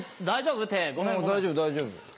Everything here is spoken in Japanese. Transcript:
大丈夫大丈夫。